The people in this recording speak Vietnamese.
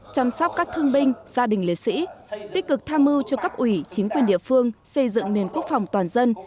chăm sóc các thương binh gia đình liệt sĩ tích cực tham mưu cho cấp ủy chính quyền địa phương xây dựng nền quốc phòng toàn dân